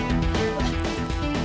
tunggu tunggu tunggu